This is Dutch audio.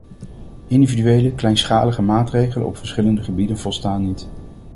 Individuele, kleinschalige maatregelen op verschillende gebieden volstaan niet.